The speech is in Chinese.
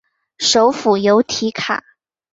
首府由提卡。